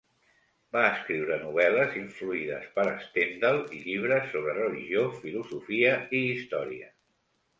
Va escriure novel·les influïdes per Stendhal i llibres sobre religió, filosofia i història.